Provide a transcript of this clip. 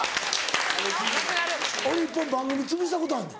俺１本番組つぶしたことあんねん。